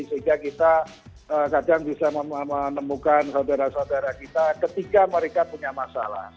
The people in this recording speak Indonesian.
sehingga kita kadang bisa menemukan saudara saudara kita ketika mereka punya masalah